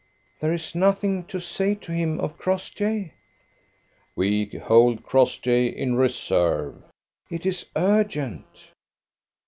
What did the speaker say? "There is nothing to say to him of Crossjay?" "We hold Crossjay in reserve." "It is urgent."